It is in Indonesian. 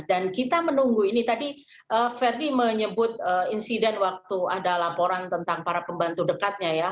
dan kita menunggu ini tadi ferdi menyebut insiden waktu ada laporan tentang para pembantu dekatnya ya